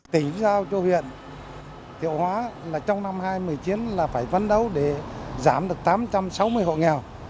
tỉnh giao cho huyện thiệu hóa là trong năm hai nghìn một mươi chín là phải phấn đấu để giảm được tám trăm sáu mươi hộ nghèo